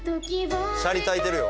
シャリ炊いてるよ。